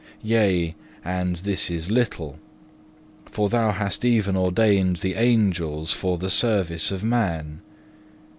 Yea, and this is little; for Thou hast even ordained the Angels for the service of man.